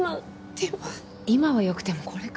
でも今は良くてもこれからは。